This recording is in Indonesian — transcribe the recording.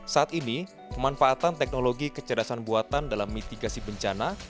saat ini pemanfaatan teknologi kecerdasan buatan dalam mitigasi bencana